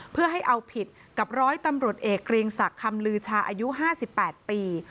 เพื่อให้เอาผิดกับร้อยตำรวจเอกเกรียงศักดิ์คำลือชาอายุ๕๘ปี